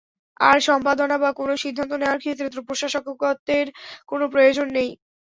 আর, সম্পাদনা বা কোনও সিদ্ধান্ত নেওয়ার ক্ষেত্রে তো প্রশাসকত্বের কোনও প্রয়োজন নেই।